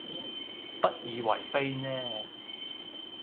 不以爲非呢？